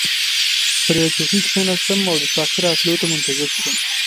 پر یوه چوکۍ کښیناستم او د ساقي راتلو ته منتظر شوم.